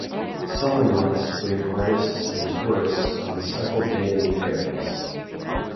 Summer months bring artists and tourists on several daily ferries.